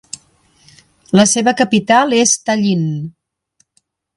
La seva capital és Tallinn.